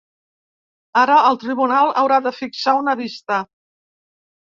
Ara, el tribunal haurà de fixar una vista.